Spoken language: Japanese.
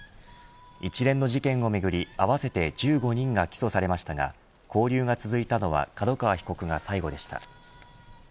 一連の事件をめぐり合わせて１５人が起訴されましたが勾留が続いたのは角川被告が最後でした。